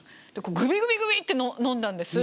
グビグビグビ！って飲んだんです。